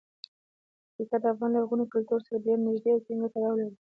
پکتیکا د افغان لرغوني کلتور سره ډیر نږدې او ټینګ تړاو لري.